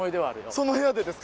その部屋でですか？